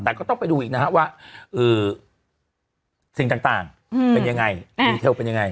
แต่ก็ต้องไปดูอีกนะฮะว่าสิ่งต่างเป็นยังไงดีเทลเป็นยังไง